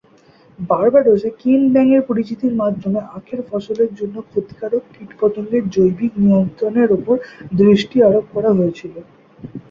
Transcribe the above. বার্বাডোসে কেন ব্যাঙের পরিচিতির মাধ্যমে আখের ফসলের জন্য ক্ষতিকারক কীট পতঙ্গের জৈবিক নিয়ন্ত্রণের ওপর দৃষ্টি আরোপ করা হয়েছিল।